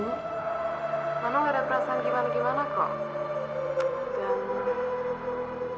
mano gak ada perasaan gimana gimana kok